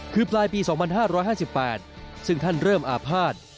คือปลายปี๒๕๕๘ซึ่งท่านเริ่มอาภาษณ์